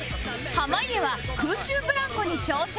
濱家は空中ブランコに挑戦